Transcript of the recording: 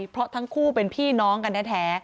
เพราะทั้งคู่เป็นพี่น้องกันแท้